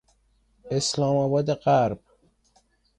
اسلامآباد غرب